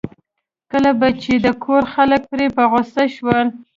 کله به چې د کور خلک پرې په غوسه شول.